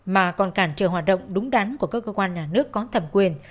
mà còn cản trở hoạt động đúng đắn của các cơ quan nhà nước có thẩm quyền